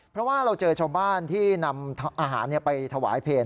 เพราะว่าเราเจอชาวบ้านที่นำอาหารไปถวายเพล